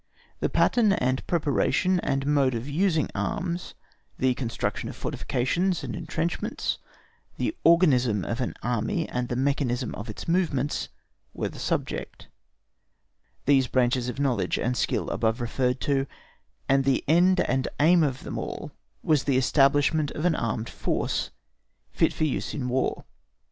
The pattern and preparation and the mode of using arms, the construction of fortifications and entrenchments, the organism of an army and the mechanism of its movements, were the subject; these branches of knowledge and skill above referred to, and the end and aim of them all was the establishment of an armed force fit for use in War.